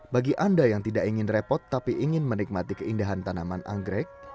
bagi anda yang tidak ingin repot tapi ingin menikmati keindahan tanaman anggrek